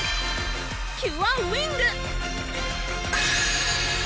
キュアウィング！